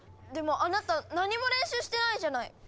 でもあなた何も練習してないじゃない！